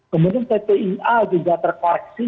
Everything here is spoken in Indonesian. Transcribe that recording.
kemudian ptia juga terkoreksi